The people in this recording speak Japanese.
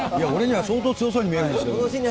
いや、俺には相当強そうに見えるんですけど。